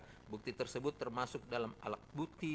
bukti tersebut termasuk dalam alat bukti